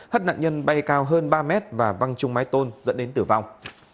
hất nạn nhân bay cao hơn ba mét và văng chung mái tôn dẫn đến tử vong